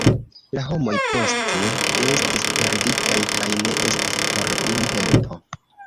La homoj poste estis perditaj kaj ne estis por ili helpo.